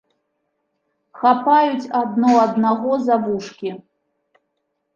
Хапаюць адно аднаго за вушкі.